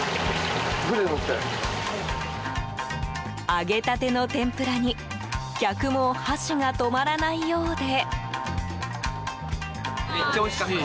揚げたての天ぷらに客も、箸が止まらないようで。